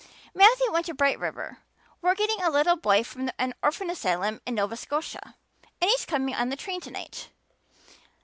"Matthew went to Bright River. We're getting a little boy from an orphan asylum in Nova Scotia and he's coming on the train tonight."